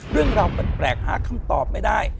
เรื่องราวแปลกหาคำตอบไม่ได้